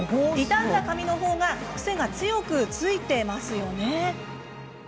傷んだ髪のほうが癖が強くついていますよね。